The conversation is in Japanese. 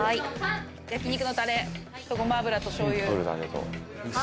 焼肉のタレとごま油としょう油。